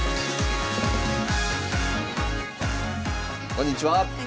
こんにちは。